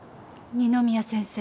二宮先生。